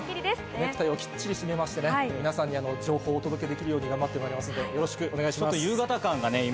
ネクタイをきっちり締め皆さんに情報お届けできるよう頑張ってまいりますんでよろしくお願いします。